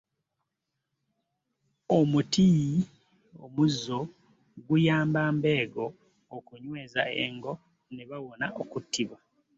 Omuti omuzo guyamba Mbego okunyweza engo ne bawona okuttibwa.